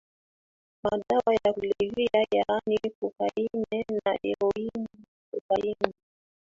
madawa ya kulevya yaani Cocaine na HeroinCocaine